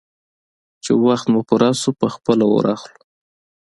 _چې وخت مو پوره شو، په خپله اور اخلو.